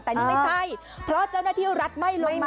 แต่นี่ไม่ใช่เพราะเจ้าหน้าที่รัฐไม่ลงมา